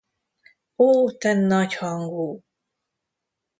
Ó, te nagyhangú!